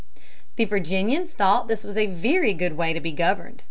The Virginians thought this was a very good way to be governed.